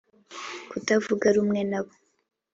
kutavuga rumwe nabo